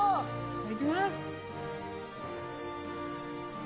いただきます。